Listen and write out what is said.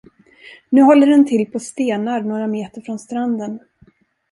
Nu håller den till på stenar några meter från stranden.